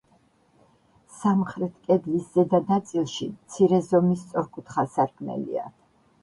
სამხრეთ კედლის ზედა ნაწილში მცირე ზომის სწორკუთხა სარკმელია.